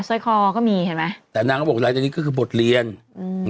สร้อยคอก็มีเห็นไหมแต่นางก็บอกหลังจากนี้ก็คือบทเรียนอืม